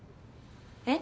え？